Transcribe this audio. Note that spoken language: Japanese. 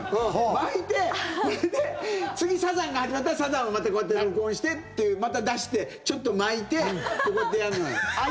巻いて、それで次、サザンが始まったらサザンをまたこうやって録音してというまた出して、ちょっと巻いてこうやってやんのよ。